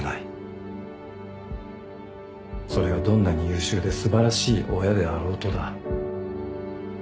それがどんなに優秀で素晴らしい親であろうとだ。